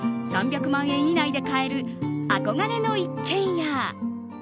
３００万円以内で買える憧れの一軒家。